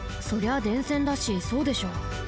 そりゃ電線だしそうでしょ。